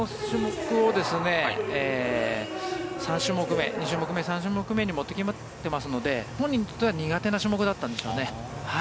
この種目を２種目目、３種目目に持ってきてますので本人としては苦手な種目だったんでしょうね。